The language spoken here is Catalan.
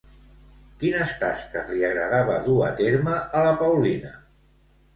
Quines tasques li agradava dur a terme a la Paulina?